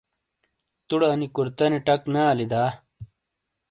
تُوڑے اَنی کُرتَنی ٹَک نے آلی دا؟